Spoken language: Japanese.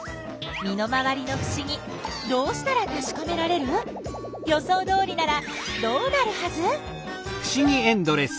身の回りのふしぎどうしたらたしかめられる？予想どおりならどうなるはず？